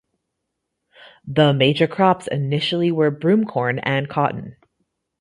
The major crops initially were broomcorn and cotton.